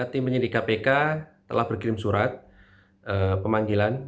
tim penyidik kpk telah berkirim surat pemanggilan